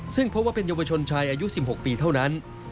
ซึ่งพบว่าเป็นเยาวชนชายอายุ๑๖ปีเท่านั้น